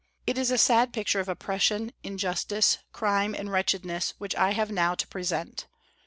It is a sad picture of oppression, injustice, crime, and wretchedness which I have now to present.